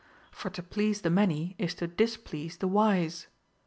For to please the many is to displease the wise.